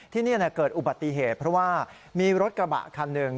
ที่นี่เกิดอุบัติเหตุเพราะว่ามีรถกระบะคันหนึ่ง